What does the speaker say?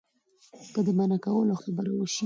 که د منع کولو خبره وشي.